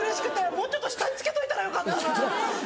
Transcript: もうちょっと下につけといたらよかったなって。